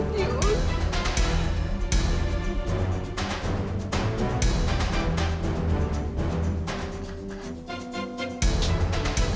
inanilahi wa inerujun